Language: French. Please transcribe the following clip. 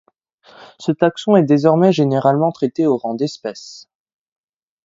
Ce taxon est désormais généralement traité au rang d'espèce.